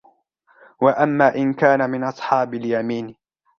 وَأَمَّا إِنْ كَانَ مِنْ أَصْحَابِ الْيَمِينِ